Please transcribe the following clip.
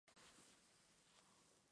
Es uno de los ready-mades de Duchamp.